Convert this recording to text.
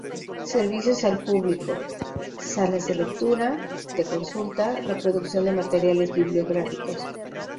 Servicios al público: Salas de lectura, de consulta, reproducción de materiales bibliográficos.